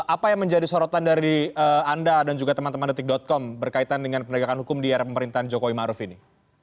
apa yang menjadi sorotan dari anda dan juga teman teman detik com berkaitan dengan penegakan hukum di era pemerintahan jokowi ⁇ maruf ⁇ ini